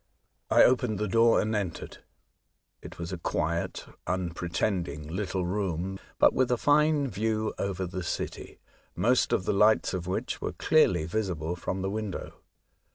I opened the door and entered. It was a quiet, unpretending little room, but with a fine view over the city, most of the lights of which were clearly visible from the window.